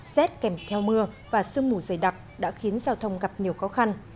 rét kèm theo mưa và sương mù dày đặc đã khiến giao thông gặp nhiều khó khăn